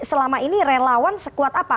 selama ini relawan sekuat apa